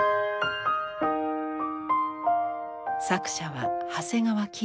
作者は長谷川潔。